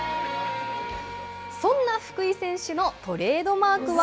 そんな福井選手のトレードマークは。